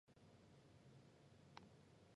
矮假龙胆为龙胆科假龙胆属下的一个种。